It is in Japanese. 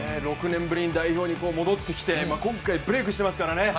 ６年ぶりに代表に戻ってきて今回ブレークしていますからね。